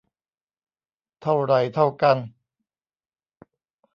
เท่าไหร่เท่ากัน